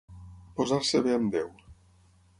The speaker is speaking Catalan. Posar-se bé amb Déu.